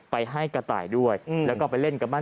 ไปให้กระต่ายด้วยแล้วก็ไปเล่นกับบ้าน